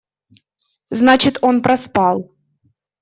Значит, он проспал.